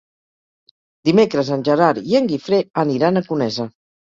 Dimecres en Gerard i en Guifré aniran a Conesa.